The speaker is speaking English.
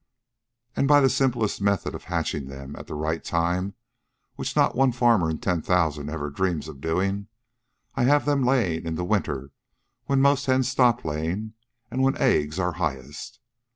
"And by the simplest method of hatching them at the right time, which not one farmer in ten thousand ever dreams of doing, I have them laying in the winter when most hens stop laying and when eggs are highest.